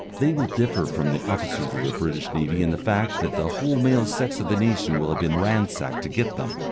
They will differ from the officers of the British Navy in the fact that the whole male sex of the nation will have been ransacked to get them.